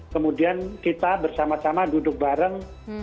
kemudian kita bersama sama duduk bareng